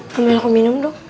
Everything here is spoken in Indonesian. kamu mau aku minum dong